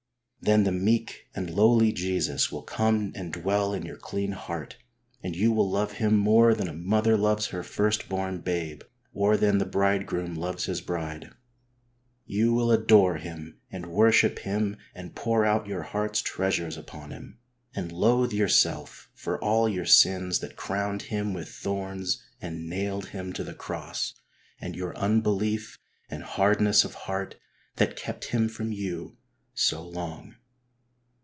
Then the meek and lowly Jesus will come and dwell in your clean heart, and you will love Him more than a mother loves her first born babe, or than the bridegroom loves his bride. You will adore 20 HEART TALKS ON HOLINESS, Him and worship Him and pour out your heart's treasures upon Him, and loathe yourself for all your sins that crowned Him with thorns and nailed Him to the Cross, and your unbelief and hardness of heart that kept Him from you so long.